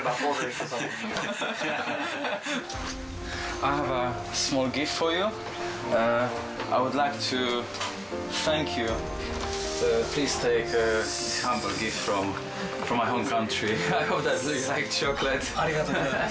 ありがとうございます。